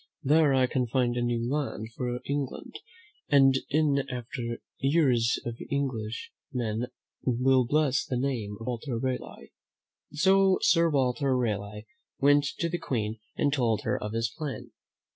There I can find a new land for England, and in after years English men will bless the name of Walter Raleigh." So Sir Walter Raleigh went to the Queen and told her of his plan.